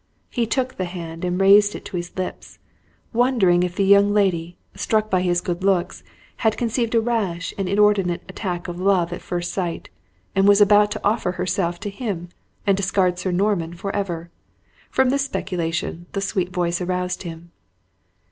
He took the hand and raised it to his lips, wondering if the young lady, struck by his good looks, had conceived a rash and inordinate attack of love at first sight, and was about to offer herself to him and discard Sir Norman for ever. From this speculation, the sweet voice aroused him.